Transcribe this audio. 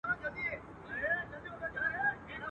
او کيسه نه ختمېده.